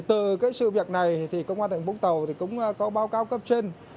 từ sự việc này thì công an thành phố vũng tàu cũng có báo cáo cấp trên